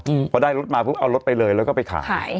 เพราะได้รถมาพุกเอารถไปเลยก็ไปขาย